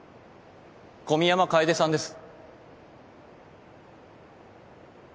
小宮山楓さんです。